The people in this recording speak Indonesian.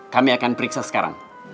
kami akan periksa sekarang